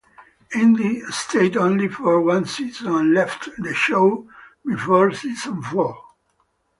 Indy stayed only for one season and left the show before season four.